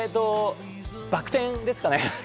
バク転ですかね。